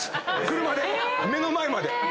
車で目の前まで。